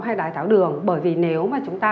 hay lài tháo đường bởi vì nếu mà chúng ta